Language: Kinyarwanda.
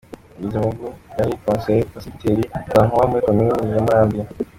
Bizimungu yari Konseye wa Segiteri Rwankuba muri Komini ya Murambi.